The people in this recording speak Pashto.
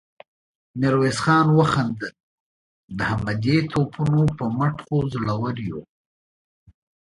ميرويس خان وخندل: د همدې توپونو په مټ خو زړور يو.